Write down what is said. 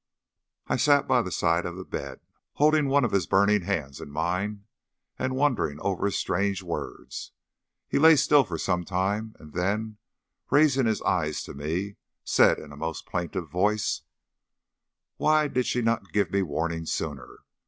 I sat by the side of the bed, holding one of his burning hands in mine, and wondering over his strange words. He lay still for some time, and then, raising his eyes to me, said in a most plaintive voice "Why did she not give me warning sooner?